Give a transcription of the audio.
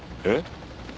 えっ？